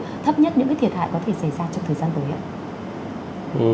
trong thời gian tới